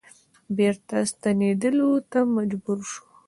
بیرته ستنیدلو ته مجبور شو.